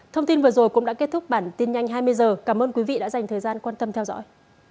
thông tin vừa rồi cũng đã kết thúc bản tin nhanh hai mươi h cảm ơn quý vị đã dành thời gian quan tâm theo dõi